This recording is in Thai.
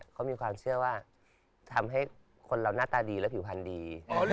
เขามีความเชื่อว่าทำให้คนเราหน้าตาดีและผิวพันธุ์ดี